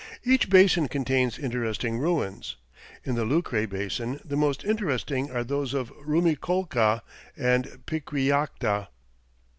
Each basin contains interesting ruins. In the Lucre Basin the most interesting are those of Rumiccolca and Piquillacta.